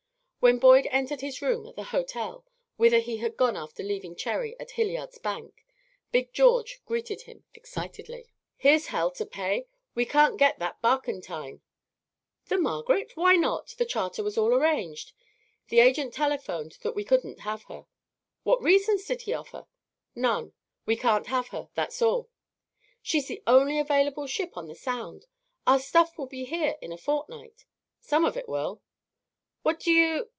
When Boyd entered his room at the hotel, whither he had gone after leaving Cherry at Hilliard's bank, Big George greeted him excitedly. "Here's hell to pay. We can't get that barkentine." "The Margaret? Why not? The charter was all arranged." "The agent telephoned that we couldn't have her." "What reasons did he offer?" "None. We can't have her, that's all." "She's the only available ship on the Sound. Our stuff will be here in a fortnight." "Some of it will." "What do you